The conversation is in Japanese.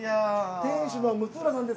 店主の六浦さんです。